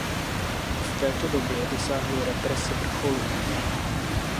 V této době dosáhly represe vrcholu.